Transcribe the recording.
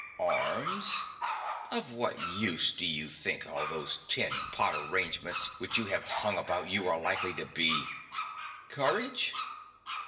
Arms ? Of what use do you think all those tin pot arrange ments which you have hung about you are likely to be ? Courage